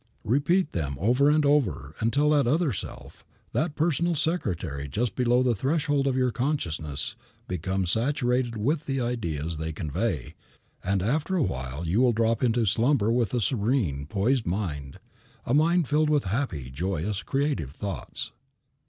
Repeat them over and over until that other self, that personal secretary just below the threshold of your consciousness, becomes saturated with the ideas they convey, and after a while you will drop into slumber with a serene, poised mind, a mind filled with happy, joyous, creative thoughts.